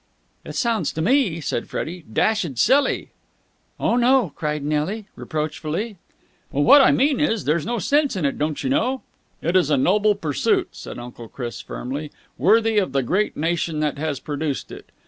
"It sounds to me," said Freddie, "dashed silly." "Oh, no!" cried Nelly reproachfully. "Well, what I mean is, there's no sense in it, don't you know." "It is a noble pursuit," said Uncle Chris firmly. "Worthy of the great nation that has produced it.